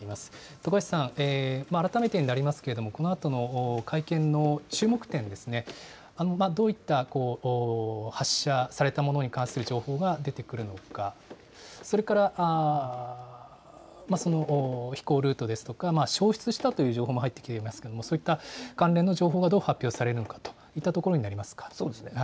徳橋さん、改めてになりますけれども、このあとの会見の注目点ですね、どういった発射されたものに関する情報が出てくるのか、それからその飛行ルートですとか、消失したという情報も入ってきていますけれども、そういった関連の情報がどう発表されるのかといったところになりそうですね。